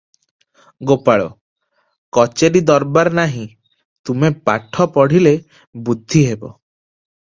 ଗୋପାଳ - "କଚେରି ଦରବାର ନାହିଁ, ତୁମେ ପାଠ ପଢ଼ିଲେ ବୁଦ୍ଧି ହେବ ।"